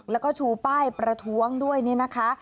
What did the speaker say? แล้วก็ชูป้ายประท้วงด้วยนี่นะคะ